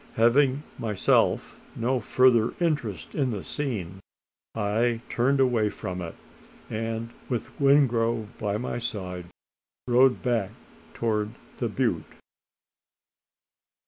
Having myself no further interest in the scene, I turned away from it; and, with Wingrove by my side, rode back towards the butte.